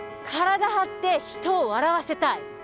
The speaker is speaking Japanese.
体張って人を笑わせたい。